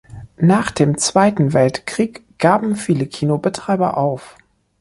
Nach dem Zweiten Weltkrieg gaben viele Kinobetreiber auf.